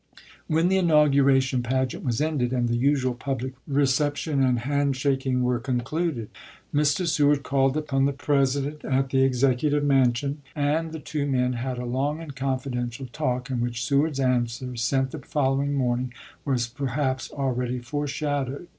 When the inauguration pageant was ended, and the usual public reception and hand shaking were concluded, Mr. Seward called upon the President at the Executive Mansion, and the two men had a long and confidential talk, in which Seward's answer, sent the following morning, was perhaps alreadv foreshadowed : 372 ABKAHAM LINCOLN ch. xxii. March 5, 1861.